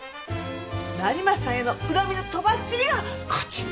成増さんへの恨みのとばっちりがこっちに来てる。